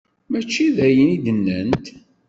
Mačči d ayen i d-nnant.